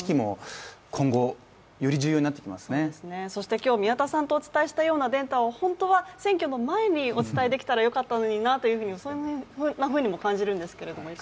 今日、宮田さんとお伝えしたようなデータを本当は選挙の前にお伝えできればよかったのになとも感じるんですけれども。